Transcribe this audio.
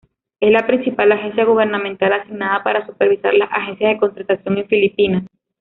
Es la principal agencia gubernamental asignada para supervisar las agencias de contratación en Filipinas.